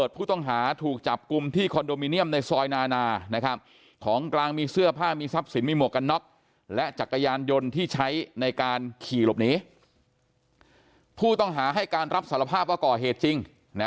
ผู้ต้องหาให้การรับสารภาพว่าก่อเหตุจริง